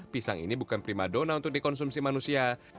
pisang ini bukan primadona untuk dikonsumsi manusia